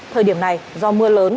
thời điểm này do mưa lớn